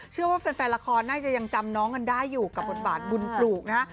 เชื่อว่าแฟนละครน่าจะยังจำน้องกันได้อยู่กับบทบาทบุญปลูกนะฮะ